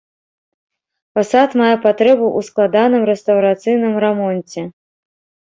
Фасад мае патрэбу ў складаным рэстаўрацыйным рамонце.